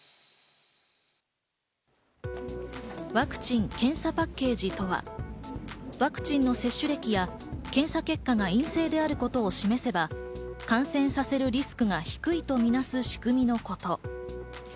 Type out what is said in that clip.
ワクチン・検査パッケージとはワクチンの接種歴や検査結果が陰性であることを示せば、感染させるリスクが低いとみなす仕組みのこと。